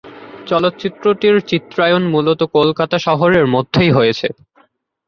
চলচ্চিত্রটির চিত্রায়ন মূলত কলকাতা শহরের মধ্যেই হয়েছে।